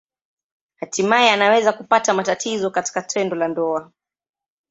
Hatimaye anaweza kupata matatizo katika tendo la ndoa.